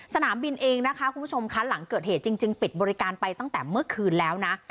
สนามบินเองนะคะคุณผู้ชมคะหลังเกิดเหตุจริงปิดบริการไปตั้งแต่เมื่อคืนแล้วนะ